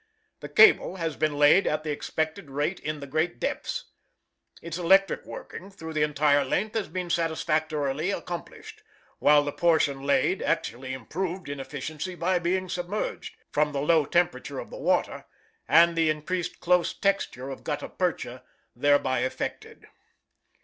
The cable has been laid at the expected rate in the great depths; its electric working through the entire length has been satisfactorily accomplished, while the portion laid, actually improved in efficiency by being submerged from the low temperature of the water and the increased close texture of gutta percha thereby effected.